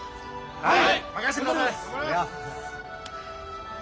はい。